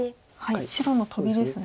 白のトビですね。